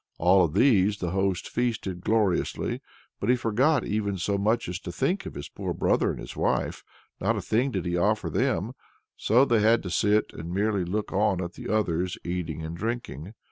All of these the host feasted gloriously, but he forgot even so much as to think of his poor brother and his wife; not a thing did he offer them; they had to sit and merely look on at the others eating and drinking.